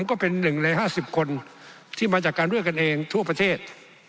ก็เป็น๑ใน๕๐คนที่มาจากการร่วมกันเองทั่วประเทศ